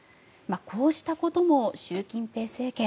こうしたことも習近平政権